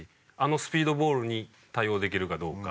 あのスピードボールに対応できるかどうか。